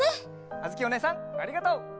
あづきおねえさんありがとう。